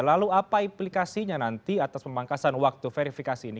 lalu apa implikasinya nanti atas pemangkasan waktu verifikasi ini